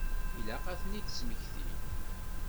Ilaq ad ten-id-smektin.